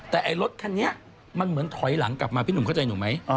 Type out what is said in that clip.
แต่ไอ้รถคันนี้มันเหมือนถอยหลังกลับมาพี่หนุ่มเข้าใจหนุ่มไหม